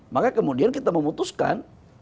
maka kemudian kita memutuskan